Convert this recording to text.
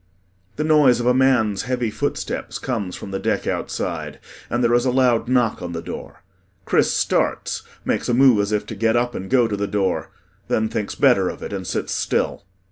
The noise of a man's heavy footsteps comes from the deck outside and there is a loud knock on the door. CHRIS starts, makes a move as if to get up and go to the door, then thinks better of it and sits still.